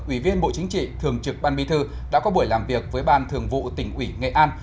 ủy viên bộ chính trị thường trực ban bi thư đã có buổi làm việc với ban thường vụ tỉnh ủy nghệ an